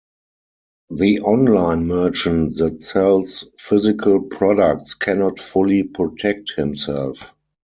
The online merchant that sells physical products cannot fully protect himself.